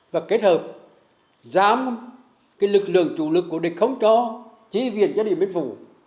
và kết hợp giám lực lượng chủ lực của địch không cho chí viện cho địa miền phủ